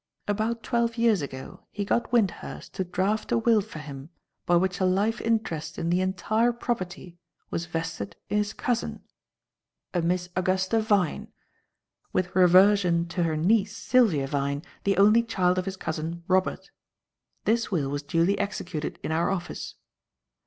"About twelve years ago he got Wyndhurst to draft a will for him by which a life interest in the entire property was vested in his cousin, a Miss Augusta Vyne, with reversion to her niece, Sylvia Vyne, the only child of his cousin Robert. This will was duly executed in our office.